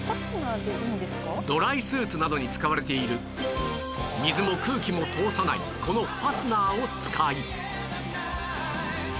ドライスーツなどに使われている水も空気も通さないこのファスナーを使い